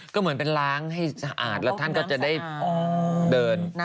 ก็เหมือนเป็นล้างให้สะอาดแล้วท่านก็จะได้เดิน